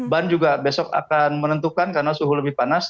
ban juga besok akan menentukan karena suhu lebih panas